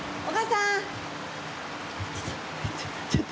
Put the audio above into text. お母さん！